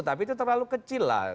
tapi itu terlalu kecil lah